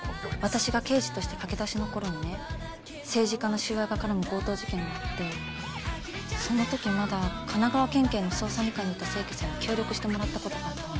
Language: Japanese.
私が刑事として駆け出しの頃にね政治家の収賄が絡む強盗事件があってその時まだ神奈川県警の捜査二課にいた清家さんに協力してもらった事があったの。